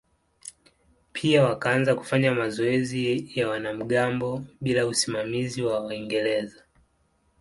Pia wakaanza kufanya mazoezi ya wanamgambo bila usimamizi wa Waingereza.